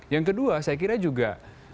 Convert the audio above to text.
yang kedua saya kira juga